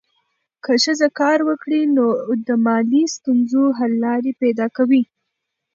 که ښځه کار وکړي، نو د مالي ستونزو حل لارې پیدا کوي.